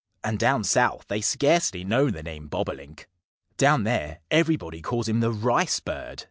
And down South they scarcely know the name Bobolink. Down there everybody calls him the Rice Bird.